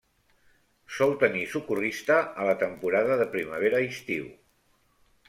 Sol tenir socorrista a la temporada de primavera-estiu.